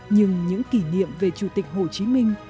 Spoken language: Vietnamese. nhưng những kỷ niệm về chủ tịch hồ chí minh